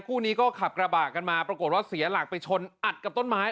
คู่นี้ก็ขับกระบะกันมาปรากฏว่าเสียหลักไปชนอัดกับต้นไม้